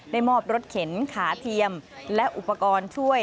มอบรถเข็นขาเทียมและอุปกรณ์ช่วย